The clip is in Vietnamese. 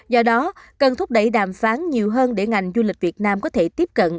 do đó cần thúc đẩy đàm phán nhiều hơn để ngành du lịch việt nam có thể tiếp cận